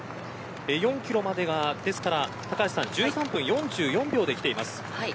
４キロまでが１３分４４秒できています。